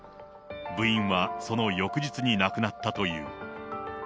部員はその翌日に亡くなったという。